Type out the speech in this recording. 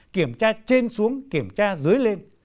kiểm tra trên xuống kiểm tra dưới lên